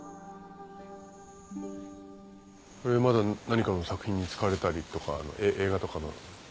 これまだ何かの作品に使われたりとか映画とか。